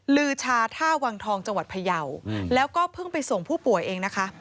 ลือชาท่าวังทองจังหวัดพยาวแล้วก็เพิ่งไปส่งผู้ป่วยเองนะคะ